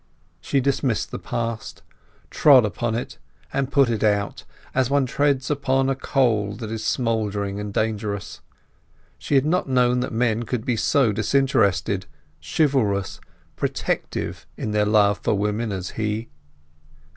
She dismissed the past—trod upon it and put it out, as one treads on a coal that is smouldering and dangerous. She had not known that men could be so disinterested, chivalrous, protective, in their love for women as he.